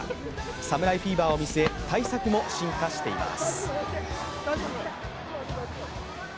侍フィーバーを見据え、対策も進化しています。